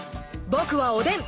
僕はおでん。